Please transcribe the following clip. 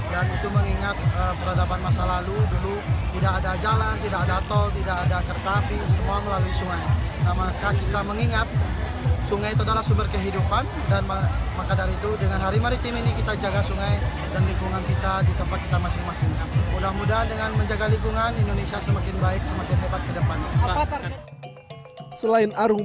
yang itu mengingat peradaban masa lalu dulu tidak ada jalan tidak ada tol tidak ada kertapi semua melalui sungai